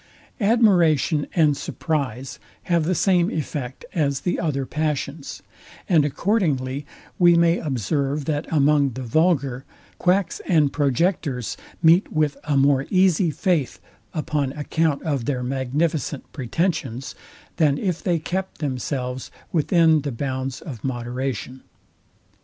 Admiration and surprize have the same effect as the other passions; and accordingly we may observe, that among the vulgar, quacks and projectors meet with a more easy faith upon account of their magnificent pretensions, than if they kept themselves within the bounds of moderation.